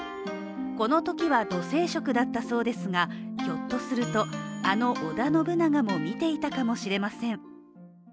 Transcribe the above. このときは土星食だったそうですがひょっとすると、あの織田信長も見ていたかも知れません。